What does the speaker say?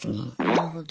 なるほど。